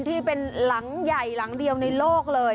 ที่เป็นหลังใหญ่หลังเดียวในโลกเลย